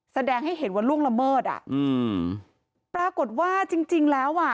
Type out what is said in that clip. แสดงให้เห็นว่าล่วงละเมิดอ่ะอืมปรากฏว่าจริงจริงแล้วอ่ะ